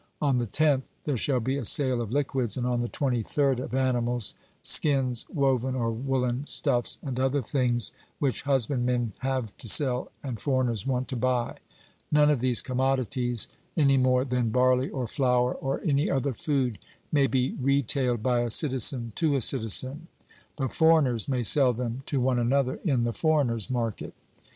On the tenth, there shall be a sale of liquids, and on the twenty third of animals, skins, woven or woollen stuffs, and other things which husbandmen have to sell and foreigners want to buy. None of these commodities, any more than barley or flour, or any other food, may be retailed by a citizen to a citizen; but foreigners may sell them to one another in the foreigners' market.